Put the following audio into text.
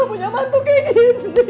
punya mantuk kayak gini